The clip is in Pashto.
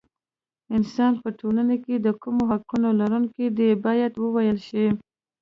انسان په ټولنه کې د کومو حقونو لرونکی دی باید وویل شي.